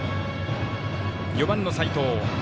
４番の齋藤。